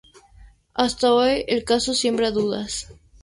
Hasta hoy el caso siembra dudas.